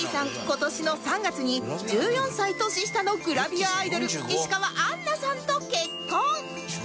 今年の３月に１４歳年下のグラビアアイドル石川あんなさんと結婚